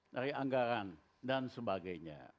dari anggaran dan sebagainya